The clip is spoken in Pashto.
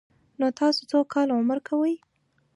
_نو تاسو څو کاله عمر کوئ؟